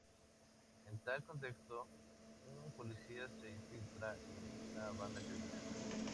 En tal contexto, un policía se infiltra en una banda criminal.